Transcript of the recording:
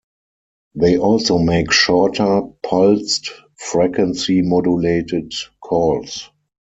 They also make shorter pulsed, frequency modulated calls.